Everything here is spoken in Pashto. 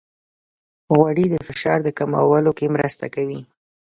غوړې د زړه د فشار کمولو کې مرسته کوي.